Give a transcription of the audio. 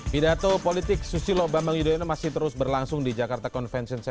pidato politik susilo bambang yudhoyono masih terus berlangsung di jakarta convention